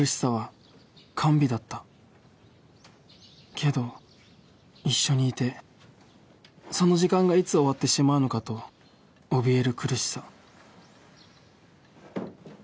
けど一緒にいてその時間がいつ終わってしまうのかと清居？